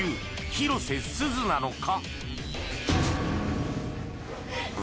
広瀬すずなのか？